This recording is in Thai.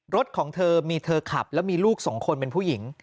รถของเธอมีเธอขับแล้วมีลูกสองคนเป็นผู้หญิง